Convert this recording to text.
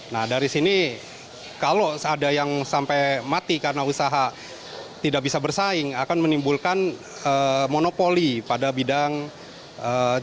nah dari sini kalau ada yang sampai mati karena usaha tidak bisa bersaing akan menimbulkan monopoli pada bidang ekonomi